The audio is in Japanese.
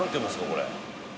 これ。